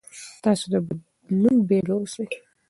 تاسو د بدلون بیلګه اوسئ.